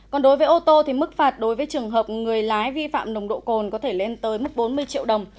còn đối với ô tô thì mức phạt đối với trường hợp người lái vi phạm nồng độ cồn có thể lên tới mức bốn mươi triệu đồng